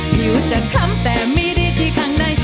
ผิวจะคล้ำแต่ไม่ได้ที่ข้างใน